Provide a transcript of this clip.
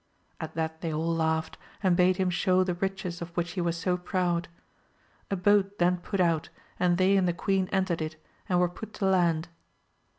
At that they all laughed, and bade him show the riches of which he was* so proud. A boat then put out and they and the queen entered it and were put to land.